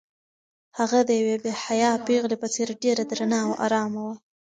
هغه د یوې باحیا پېغلې په څېر ډېره درنه او ارامه وه.